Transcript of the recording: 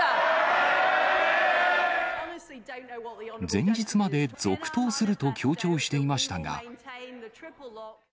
前日まで続投すると強調していましたが。